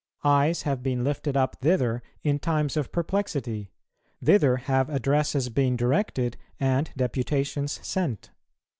Eyes have been lifted up thither in times of perplexity; thither have addresses been directed and deputations sent.